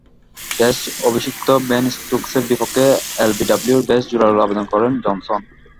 Test অভিষিক্ত Ben স্টোকসের বিপক্ষে এলবিডব্লুর বেশ জোরালো আবেদন করেন জনসন।